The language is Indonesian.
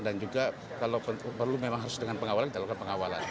dan juga kalau perlu memang harus dengan pengawalan kita lakukan pengawalan